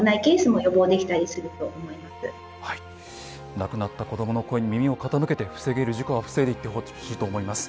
亡くなった子どもの声に耳を傾けて防げる事故は防いでいってほしいと思います。